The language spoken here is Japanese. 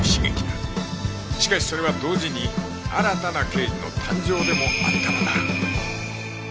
しかしそれは同時に新たな刑事の誕生でもあったのだ